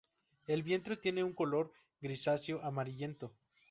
El vientre tiene un color grisáceo amarillento.